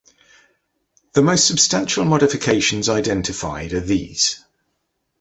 The most substantial modifications identified are these.